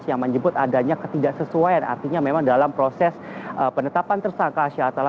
yang menyebut adanya ketidaksesuaian artinya memang dalam proses penetapan tersangka hasha atala